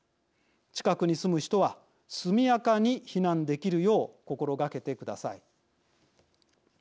近くに住む人は速やかに避難できるよう心がけてください。